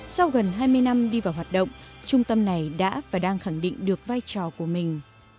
sau gần hai mươi năm đi vào hoạt động trung tâm này đã và đang khẳng định được vai trò của mình